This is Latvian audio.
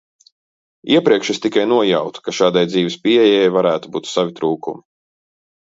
Iepriekš es tikai nojautu, ka šādai dzīves pieejai varētu būt savi trūkumi.